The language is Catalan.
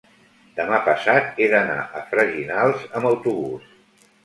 demà passat he d'anar a Freginals amb autobús.